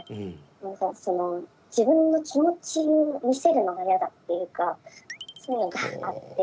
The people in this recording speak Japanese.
何かその自分の気持ちを見せるのが嫌だっていうかそういうのがあって。